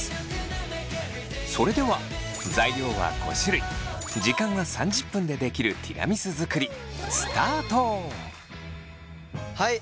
それでは材料は５種類時間は３０分でできるティラミス作りはい。